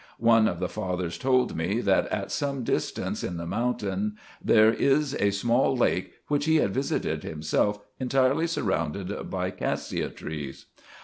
One of the fathers told me, that at some distance in the mountain there is a small lake, which he had visited himself, entirely surrounded by cassia trees.